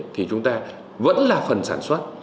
thì chúng ta vẫn là phần sản xuất